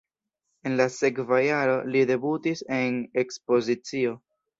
En la sekva jaro li debutis en ekspozicio.